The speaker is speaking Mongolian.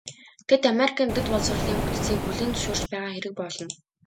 Тэд Америкийн дээд боловсролын бүтцийг хүлээн зөвшөөрч байгаа хэрэг болно.